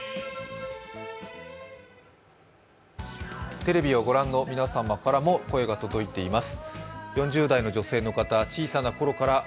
テレビをご覧の皆様からも声が届いています。